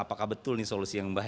apakah betul ini solusi yang baik